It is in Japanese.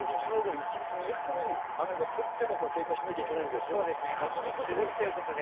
一日２００ミリ、雨が降っても警戒しなきゃいけないけど、２日続くということですね。